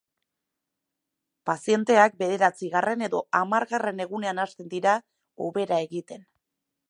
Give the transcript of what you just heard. Pazienteak bederatzigarren edo hamargarren egunean hasten dira hobera egiten.